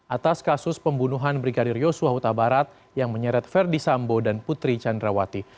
atas kasus pembunuhan brigadir yosua utabarat yang menyeret ferdi sambo dan putri candrawati